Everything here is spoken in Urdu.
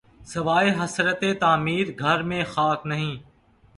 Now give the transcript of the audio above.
سواے حسرتِ تعمیر‘ گھر میں خاک نہیں